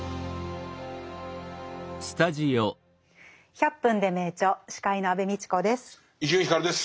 「１００分ｄｅ名著」司会の安部みちこです。